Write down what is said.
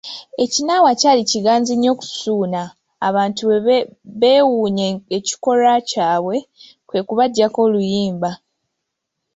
Ekinaawa kyali kiganzi nnyo ku Ssuuna, abantu bwe beewuunya ekikolwa kyabwe, kwe kubaggyako oluyimba.